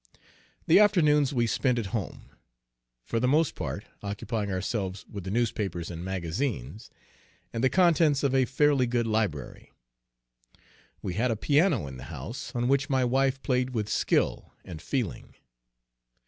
The afternoons we spent at home, for the most part, occupying ourselves with the newspapers and magazines, and the contents of a fairly good library. We had a piano in the house, on which my wife played with skill and feeling.